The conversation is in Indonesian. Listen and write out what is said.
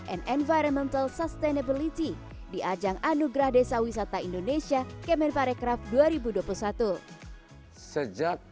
and environmental sustainability di ajang anugerah desa wisata indonesia kemenparekraf dua ribu dua puluh satu sejak